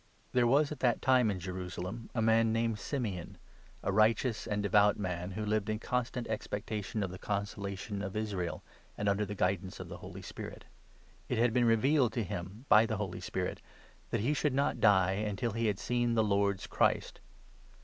' There was at that time in Jerusalem a man named Simeon, 25 a righteous and devout man, who lived in constant expecta tion of the Consolation of Israel, and under the guidance of the Holy Spirit. It had been revealed to him by the Holy Spirit 26 that he should not die until he had seen the Lord's Christ.